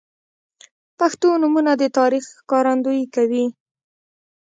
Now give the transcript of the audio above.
• پښتو نومونه د تاریخ ښکارندویي کوي.